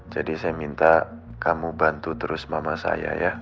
jadi saya minta kamu bantu terus mama saya ya